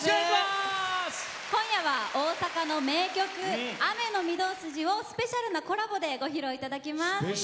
今夜は大阪の名曲「雨の御堂筋」をスペシャルなコラボでご披露いただきます。